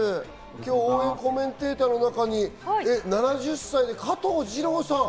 今日、応援コメンテーターの中に、７０歳の加藤治郎さん。